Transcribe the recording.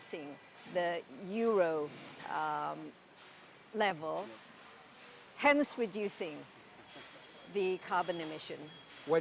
sehingga mengurangkan emisi karbon